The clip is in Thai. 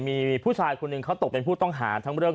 มีผู้ชายคนหนึ่งเขาตกเป็นผู้ต้องหาทั้งเรื่อง